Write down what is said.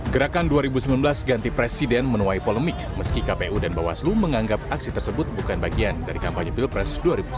gerakan dua ribu sembilan belas ganti presiden menuai polemik meski kpu dan bawaslu menganggap aksi tersebut bukan bagian dari kampanye pilpres dua ribu sembilan belas